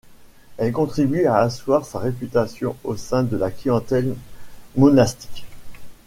Elle contribue à asseoir sa réputation au sein de la clientèle monastique.